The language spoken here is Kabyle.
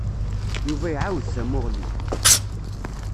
Yuba iɛawed tamuɣli.